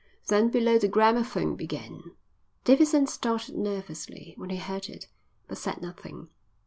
Then below the gramophone began. Davidson started nervously when he heard it, but said nothing.